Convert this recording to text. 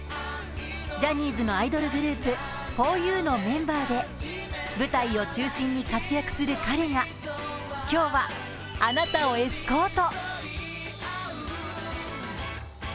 ジャニーズのアイドルグループふぉゆのメンバーで舞台を中心に活躍する彼が今日はあなたをエスコート。